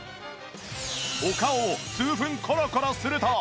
お顔を数分コロコロすると